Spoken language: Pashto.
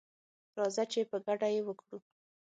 راځه چي په ګډه یې وکړو